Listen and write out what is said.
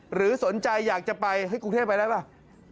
หรือสนใจอยากจะไปคุกเทพไปแล้วหรือเปล่า